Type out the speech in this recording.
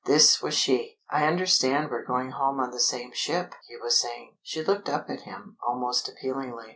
This was she! "I understand we're going home on the same ship!" he was saying. She looked up at him, almost appealingly.